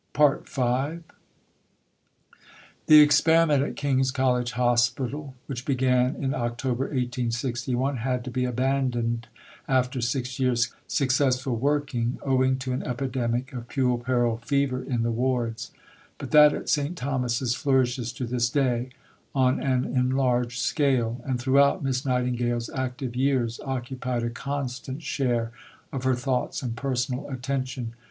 V The experiment at King's College Hospital, which began in October 1861, had to be abandoned after six years' successful working owing to an epidemic of puerperal fever in the wards; but that at St. Thomas's flourishes to this day on an enlarged scale, and throughout Miss Nightingale's active years occupied a constant share of her thoughts and personal attention.